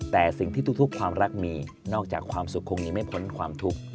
แต่สิ่งที่ทุกความรักมีนอกจากความสุขคงหนีไม่พ้นความทุกข์